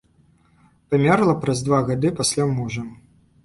Памерла праз два гады пасля мужа.